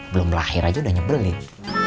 belum lahir aja udah nyebelin